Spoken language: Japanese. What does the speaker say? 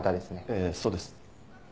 ええそうです。